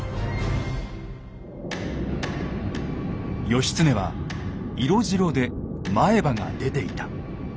義経は色白で前歯が出ていた。